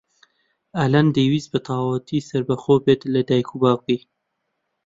ئەلەند دەیویست بەتەواوی سەربەخۆ بێت لە دایک و باوکی.